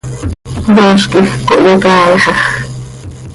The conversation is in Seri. Yooz quij cohyacaaixaj.